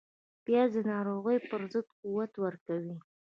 پیاز د ناروغیو پر ضد قوت ورکوي